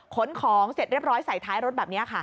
ขนของเสร็จเรียบร้อยใส่ท้ายรถแบบนี้ค่ะ